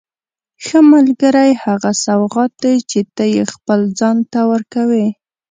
ښه ملګری هغه سوغات دی چې ته یې خپل ځان ته ورکوې.